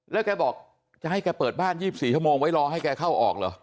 แล้วแกบอกจะให้แกเปิดบ้าน๒๔ชั่วโมงไว้รอให้แกเข้าออกเหรอ